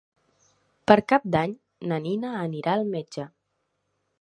Per Cap d'Any na Nina anirà al metge.